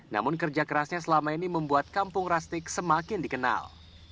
namun kerja kerasnya selama ini membuat kampung rastik semakin dikenal